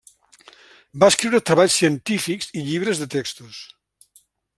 Va escriure treballs científics i llibres de textos.